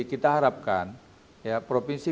kita harapkan provinsi